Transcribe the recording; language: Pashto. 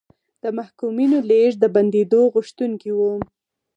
د محکومینو لېږد د بندېدو غوښتونکي وو.